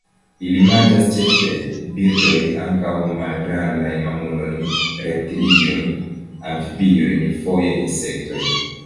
Ili manĝas ĉefe birdojn; ankaŭ malgrandajn mamulojn, reptiliojn, amfibiojn; foje insektojn.